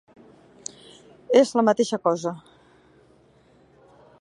És la mateixa cosa.